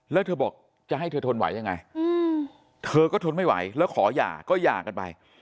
แล้วเธอบอกจะให้เธอทนไหวยังไงเธอก็ทนไม่ไหวแล้วขอหย่าก็หย่ากันไป